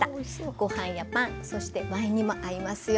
ご飯やパンそしてワインにも合いますよ。